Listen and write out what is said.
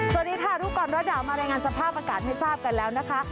สวัสดีค่ะรู้ก่อนร้อนหนาวมารายงานสภาพอากาศให้ทราบกันแล้วนะคะ